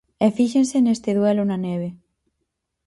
E fíxense neste duelo na neve.